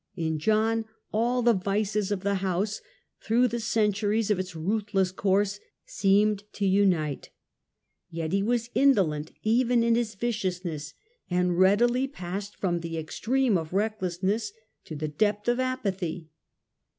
In John all the vices of the house, through the centuries of its ruthless course, seemed to unite. Yet he was indolent even in his viciousness, and readily passed from the extreme of recklessness to the depth of apathy.